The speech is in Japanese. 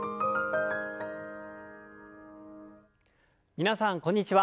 皆さんこんにちは。